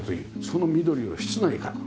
その緑を室内から。